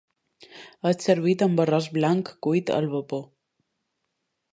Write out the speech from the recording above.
És servit amb arròs blanc cuit al vapor.